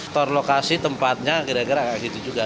tor lokasi tempatnya kira kira agak gitu juga